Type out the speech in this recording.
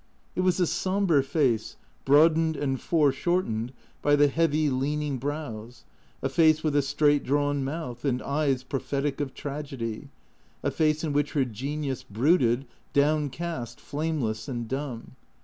It was a sombre face, broadened and foreshortened by the heavy, leaning brows. A face with a straight drawn mouth and eyes prophetic of tragedy, a face in which her genius brooded, down cast, flameless, and dumb.